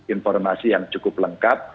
informasi yang cukup lengkap